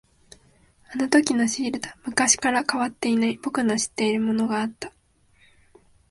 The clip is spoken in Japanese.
あのときのシールだ。昔から変わっていない、僕の知っているものがあった。